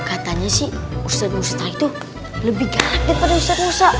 katanya sih ustadz muhtar itu lebih galak daripada ustadz muhtar